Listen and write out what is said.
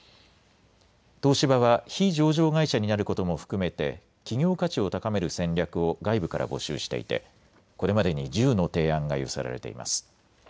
東芝は非上場会社になることも含めて企業価値を高める戦略を外部から募集していてこれまでに１０の提案が寄せられています。